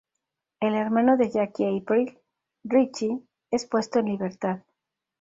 El hermano de Jackie Aprile, Richie, es puesto en libertad.